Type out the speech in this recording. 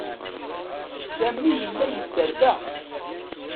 Sami yella yedder da.